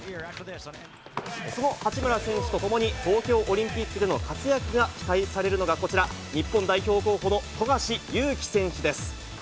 その八村選手と共に東京オリンピックでの活躍が期待されるのがこちら、日本代表候補の富樫勇樹選手です。